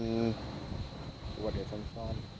กลัวเกิดอุบัติเหตุซ้ำซ้อน